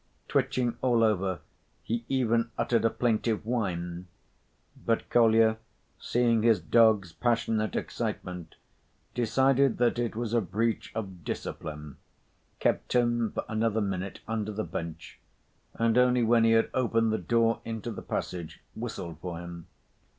Twitching all over, he even uttered a plaintive whine. But Kolya, seeing his dog's passionate excitement, decided that it was a breach of discipline, kept him for another minute under the bench, and only when he had opened the door into the passage, whistled for him.